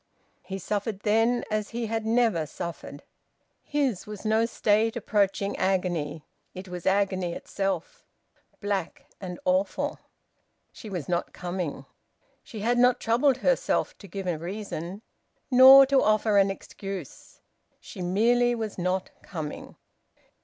He suffered then as he had never suffered. His was no state approaching agony; it was agony itself, black and awful. She was not coming. She had not troubled herself to give a reason, nor to offer an excuse. She merely was not coming.